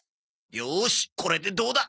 よしこれでどうだ！